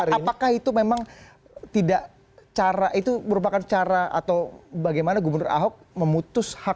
apakah itu memang tidak cara itu merupakan cara atau bagaimana gubernur ahok memutus hak